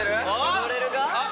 ・・踊れるか？